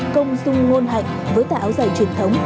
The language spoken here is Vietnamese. công dung ngôn hạnh với tài áo giải truyền thống